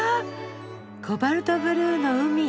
コバルトブルーの海。